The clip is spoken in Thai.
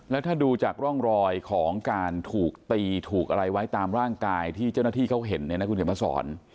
แล้วถ้าดูจากร่องรอยของการถูกตีถูกอะไรไว้ตามร่างกายที่เจ้าหน้าที่เขาเห็นเนี่ยนะคุณเขียนมาสอน